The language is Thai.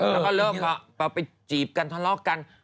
แล้วก็เริ่มไปจีบกันทะเลาะกัน